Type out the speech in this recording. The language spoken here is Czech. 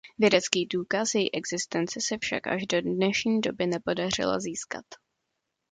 Vědecký důkaz její existence se však až do dnešní doby nepodařilo získat.